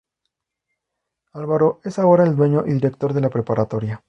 Álvaro es ahora el dueño y director de la preparatoria.